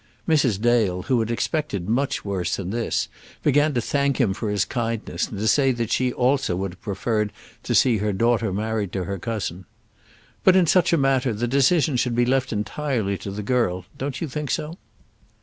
Mrs. Dale, who had expected much worse than this, began to thank him for his kindness, and to say that she also would have preferred to see her daughter married to her cousin. "But in such a matter the decision should be left entirely to the girl. Don't you think so?"